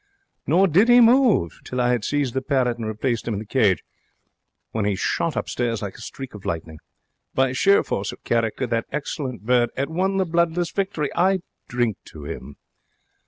Nor did he move, till I 'ad seized the parrot and replaced him in the cage, when he shot upstairs like a streak of lightning. By sheer force of character that excellent bird 'ad won the bloodless victory. I drink to 'im!'